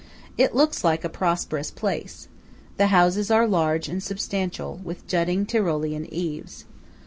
It looks like a prosperous place. The houses are large and substantial, with jutting Tyrolean eaves.